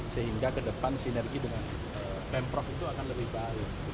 sehingga ke depan sinergi dengan pemprov itu akan lebih baik